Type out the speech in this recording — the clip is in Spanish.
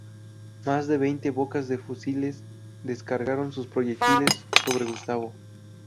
Más de veinte bocas de fusiles descargaron sus proyectiles sobre Gustavo.